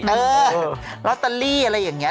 เออลอตเตอรี่อะไรอย่างนี้